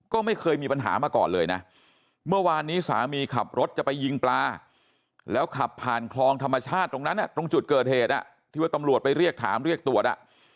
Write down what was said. ก็ไม่เคยมีปัญหามาก่อนเลยนะเมื่อวานนี้สามีขับรถจะไปยิงปลาแล้วขับผ่านคลองธรรมชาติตรงนั้นตรงจุดเกิดเหตุที่ว่าตำรวจไปเรียกถามเรียกตรวจ